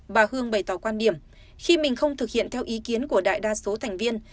bà hương bày tỏ quan điểm khi mình không thực hiện theo ý kiến của đại đa số thành viên